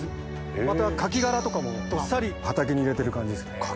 またカキ殻とかもどっさり畑に入れてる感じっすね。